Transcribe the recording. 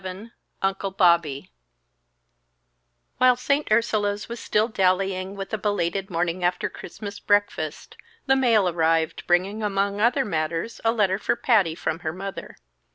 VII "Uncle Bobby" While St. Ursula's was still dallying with a belated morning after Christmas breakfast, the mail arrived, bringing among other matters, a letter for Patty from her mother.